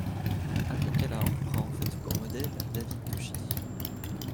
Harry Callahan prend en fait pour modèle David Toschi.